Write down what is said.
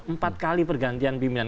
empat kali pergantian pimpinan